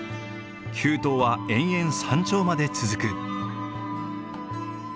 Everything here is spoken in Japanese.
急登は延々山頂まで続く。